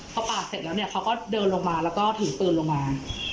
พอปาดเสร็จแล้วเนี่ยเขาก็เดินลงมาแล้วก็ถือปืนลงมา